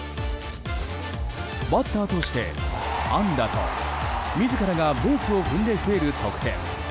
バッターとして、安打と自らがベースを踏んで増える得点。